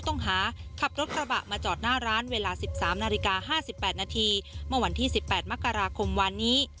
นาฬิกา๕๘นาทีเมื่อวันที่๑๘มกราคมวานนี้